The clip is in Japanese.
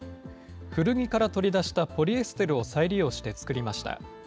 古着から取り出したポリエステルを再利用して作りました。